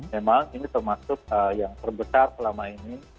memang ini termasuk yang terbesar selama ini